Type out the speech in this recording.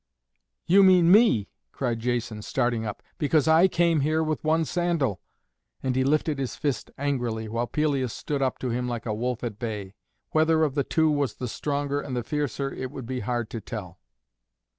"You mean me!" cried Jason, starting up, "because I came here with one sandal," and he lifted his fist angrily, while Pelias stood up to him like a wolf at bay. Whether of the two was the stronger and the fiercer it would be hard to tell.